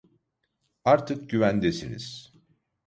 Artık güvendesiniz.